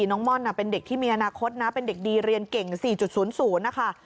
ม่อนเป็นเด็กที่มีอนาคตนะเป็นเด็กดีเรียนเก่ง๔๐๐นะคะ